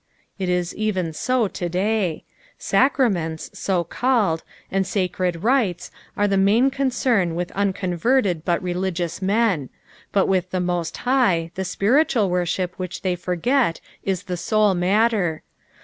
It is even so to day. Bacramenta (so called) and sacred rites are the main concern with unconverted but religious men, but vrith the Host High the spiritual worship which they forget is the sole matter.